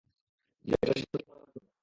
যেটা সঠিক মনে হয় করো।